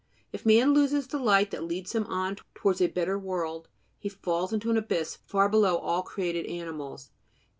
If man loses the light that leads him on towards a better world, he falls into an abyss far below all created animals.